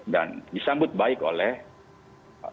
dan disambut baik oleh pengguna dan pengguna sosial